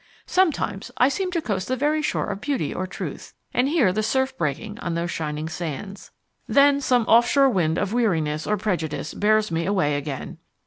Sometimes I seem to coast the very shore of Beauty or Truth, and hear the surf breaking on those shining sands. Then some offshore wind of weariness or prejudice bears me away again.